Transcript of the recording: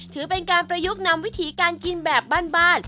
ถือเป็นการประยุกต์นำวิถีการกินแบบบ้าน